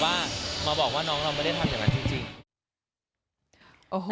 ว่ามาบอกว่าน้องเราไม่ได้ทำอย่างนั้นจริง